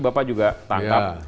bapak juga tangkap